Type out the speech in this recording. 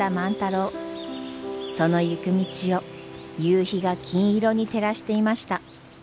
その行く道を夕日が金色に照らしていました。